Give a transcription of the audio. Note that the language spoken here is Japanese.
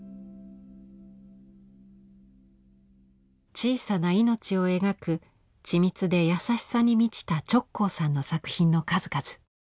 小さな命を描く緻密で優しさに満ちた直行さんの作品の数々。